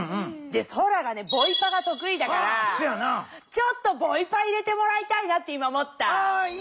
そらがボイパがとくいだからちょっとボイパ入れてもらいたいなって今思った。